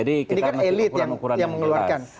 ini kan elit yang mengeluarkan